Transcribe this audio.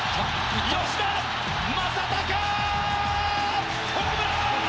吉田正尚、ホームラン！